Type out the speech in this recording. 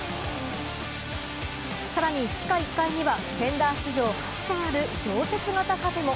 さらに地下１階にはＦｅｎｄｅｒ史上初となる常設型カフェも。